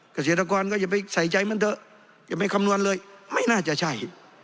เกษตรกรก็อย่าไปใส่ใจมันเถอะอย่าไปคำนวณเลยไม่น่าจะใช่